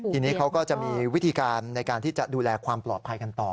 ทีนี้เขาก็จะมีวิธีการในการที่จะดูแลความปลอดภัยกันต่อ